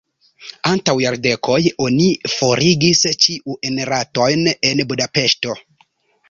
Antaŭ jardekoj oni forigis ĉiujn ratojn en Budapeŝto.